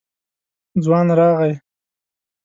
ځوان راغی.